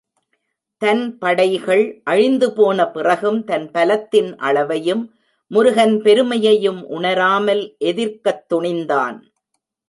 தன் படைகள் அழிந்து போன பிறகும் தன் பலத்தின் அளவையும் முருகன் பெருமையையும் உணராமல் எதிர்க்கத் துணிந்தான்.